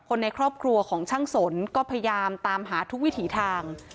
ในครอบครัวของช่างสนก็พยายามตามหาทุกวิถีทาง